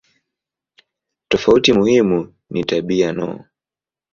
Tofauti muhimu ni tabia no.